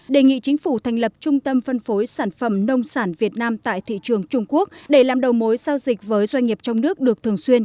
đề nghị chính phủ thành lập trung tâm phân phối sản phẩm nông sản việt nam tại thị trường trung quốc để làm đầu mối giao dịch với doanh nghiệp trong nước được thường xuyên